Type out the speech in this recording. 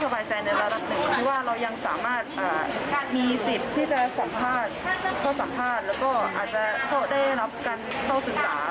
เพราะว่ามันมีหลายปัจจัยที่แบบว่า